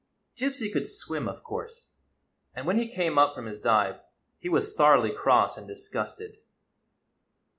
Gypsy could swim, of course; and when he came up from his dive he was thoroughly cross and disgusted.